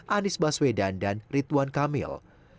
anies baswedan dan ridwan kamil